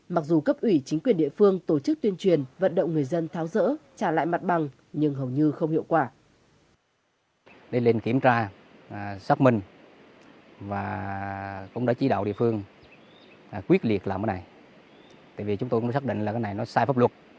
mặc dù cấp ủy chính quyền địa phương tổ chức tuyên truyền vận động người dân tháo rỡ trả lại mặt bằng nhưng hầu như không hiệu quả